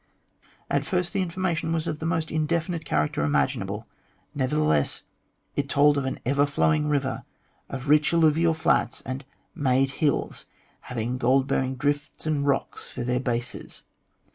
At first the information was of the most indefinite character imaginable. Nevertheless, it told of an ever flowing river, of rich alluvial flats, and " made hills," having gold bearing drifts and rocks for their bases.